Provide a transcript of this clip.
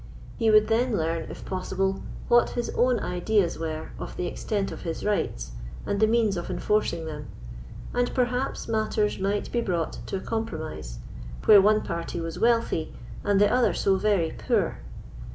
He would then learn, if possible, what his own ideas were of the extent of his rights, and the means of enforcing them; and perhaps matters might be brought to a compromise, where one party was wealthy and the other so very poor.